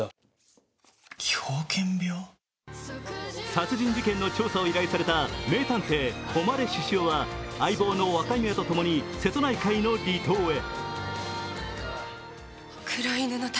殺人事件の調査を依頼された名探偵・誉獅子雄は相棒の若宮とともに瀬戸内海の離島へ。